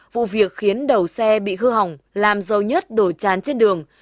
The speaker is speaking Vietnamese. vụ việc khiến đầu xe bị hư hỏng làm dầu nhất đổ chán trên đường